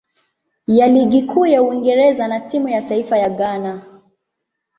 ya Ligi Kuu ya Uingereza na timu ya taifa ya Ghana.